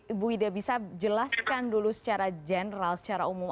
ibu ida bisa jelaskan dulu secara general secara umum